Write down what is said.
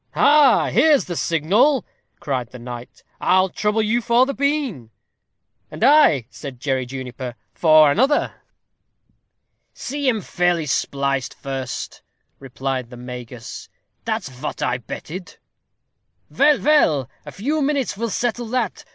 "Ha! there's the signal," cried the knight; "I'll trouble you for the bean." "And I," added Jerry Juniper, "for another." "See 'em fairly spliced first," replied the Magus; "that's vot I betted." "Vell, vell, a few minutes will settle that.